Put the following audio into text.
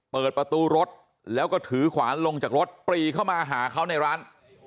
เปิดประตูรถแล้วก็ถือขวานลงจากรถปรีเข้ามาหาเขาในร้าน